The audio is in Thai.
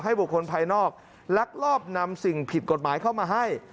บุคคลภายนอกลักลอบนำสิ่งผิดกฎหมายเข้ามาให้